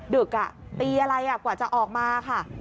ดึกตีอะไรกว่าจะออกมาค่ะ